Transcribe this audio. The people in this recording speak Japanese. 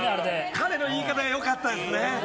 彼の言い方がよかったですね。